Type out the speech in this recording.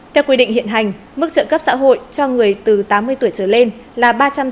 theo quy định hiện hành mức trợ cấp xã hội cho người từ tám mươi tuổi trở lên là ba trăm sáu mươi